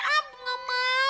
ab gak mau